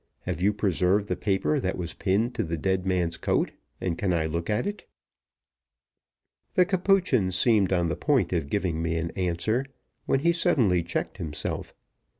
Have you preserved the paper that was pinned to the dead man's coat; and can I look at it?" The Capuchin seemed on the point of giving me an answer, when he suddenly checked himself.